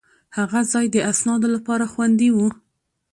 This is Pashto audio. هغه ځای د اسنادو لپاره خوندي و.